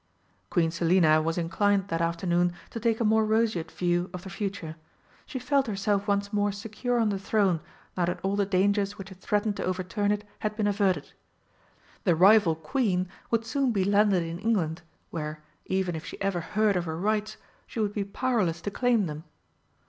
Queen Selina was inclined that afternoon to take a more roseate view of the future. She felt herself once more secure on the throne now that all the dangers which had threatened to overturn it had been averted. The rival Queen would soon be landed in England, where, even if she ever heard of her rights, she would be powerless to claim them.